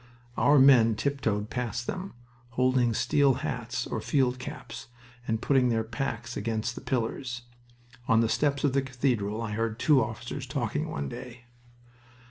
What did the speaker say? Our men tiptoed past them, holding steel hats or field caps, and putting their packs against the pillars. On the steps of the cathedral I heard two officers talking one day.